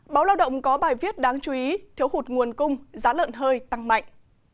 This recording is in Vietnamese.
báo lao động có bài viết đáng chú ý thiếu hụt nguồn cung giá lợn hơi tăng mạnh